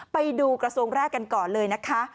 ไปดูกระทรวงแรกกันก่อนเลยนะคะ